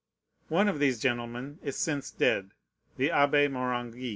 One of these gentlemen is since dead: the Abbé Morangis.